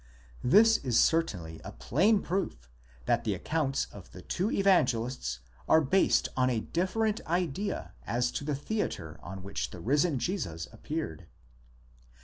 This is certainly a plain proof that the accounts of the two Evangelists are based on a different idea as to the theatre on which the risen Jesus appeared.